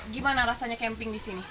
gimana rasanya camping di sini